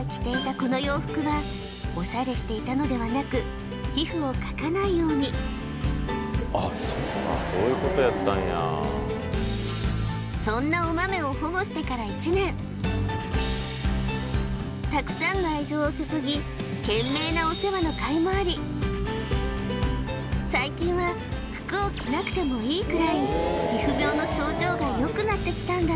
この洋服はオシャレしていたのではなく皮膚を掻かないようにあっそうなんやそういうことやったんやそんなおまめを保護してから１年たくさんの愛情を注ぎ懸命なお世話のかいもあり最近は服を着なくてもいいくらい皮膚病の症状がよくなってきたんだ